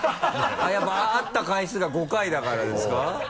やっぱ会った回数が５回だからですか？